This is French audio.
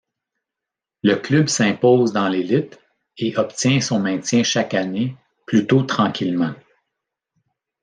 Le club s'impose dans l'élite et obtient son maintien chaque année, plutôt tranquillement.